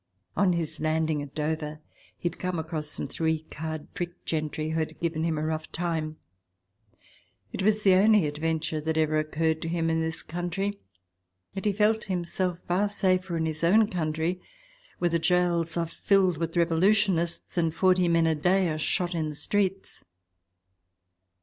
On his landing at Dover he had come across some three card trick gentry who had given him a rough time ; it was the only adventure that ever occurred to him in this country, yet he felt himself far safer PREFACE ix in his own country, where the gaols are filled with revolutionists and forty men a day are shot in the streets.